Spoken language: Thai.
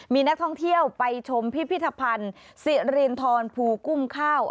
มีนักท่องเที่ยวไปชมพิพิธภัณฑ์สิรินทรภูกุ้มข้าว